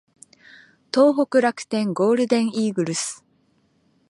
東北楽天ゴールデンイーグルス